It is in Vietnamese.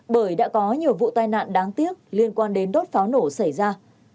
bởi đã có nhiều vụ tai nạn đáng tiếc liên quan đến đốt pháo nổ xảy ra